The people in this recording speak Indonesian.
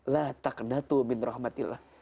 la taqnatu min rahmatillah